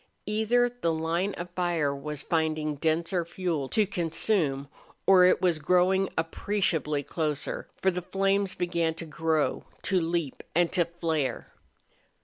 Either the line of fire was finding denser fuel to consume or it was growing appreciably closer, for the flames began to grow, to leap, and to flare.